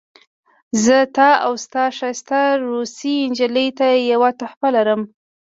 زه تا او ستا ښایسته روسۍ نجلۍ ته یوه تحفه لرم